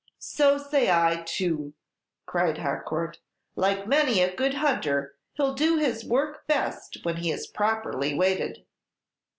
"So say I too," cried Harcourt. "Like many a good hunter, he 'll do his work best when he is properly weighted."